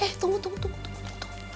eh tunggu tunggu tunggu